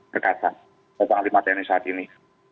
terkata pak panglima tni saat ini